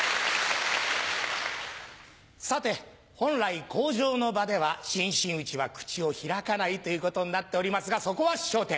さて本来口上の場では新真打は口を開かないということになっておりますがそこは『笑点』。